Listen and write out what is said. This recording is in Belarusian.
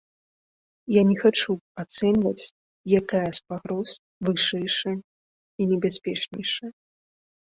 Я не хачу ацэньваць, якая з пагроз вышэйшая і небяспечнейшая.